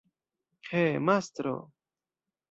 He, mastro!